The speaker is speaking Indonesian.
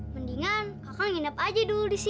mendingan kakak nginep aja dulu di sini